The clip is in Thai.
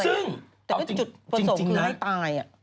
ซึ่งแต่ก็จุดประสงค์คือให้ตาย